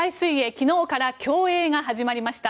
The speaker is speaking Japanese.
昨日から競泳が始まりました。